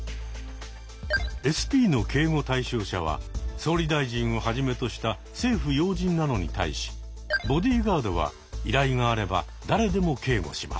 ＳＰの警護対象者は総理大臣をはじめとした政府要人なのに対しボディーガードは依頼があれば誰でも警護します。